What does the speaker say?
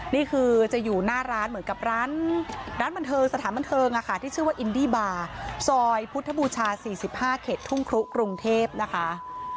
นี่คือจะอยู่หน้าร้านเหมือนกับร้านบันเทิงสถานบันเทิงที่ชื่อว่าอินดี้บาร์ซอยพุทธบูชา๔๕เขตทุ่งครุกรุงเทพนะคะ